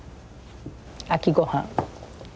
秋ごはん。